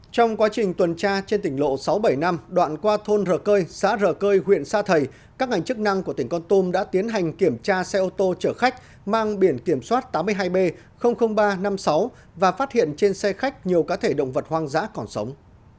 trong quá trình tuần tra trên tỉnh lộ sáu trăm bảy mươi năm đoạn qua thôn r cơi xã rờ cơi huyện sa thầy các ngành chức năng của tỉnh con tôm đã tiến hành kiểm tra xe ô tô chở khách mang biển kiểm soát tám mươi hai b ba trăm năm mươi sáu và phát hiện trên xe khách nhiều cá thể động vật hoang dã còn sống